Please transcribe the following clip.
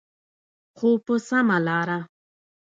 خو په سمه لاره.